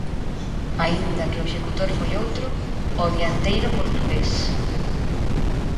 Aínda que o executor foi outro, o dianteiro portugués.